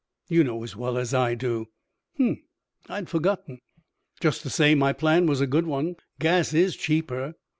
"You know as well as I do." "H'm! I'd forgotten. Just the same, my plan was a good one. Gas is cheaper."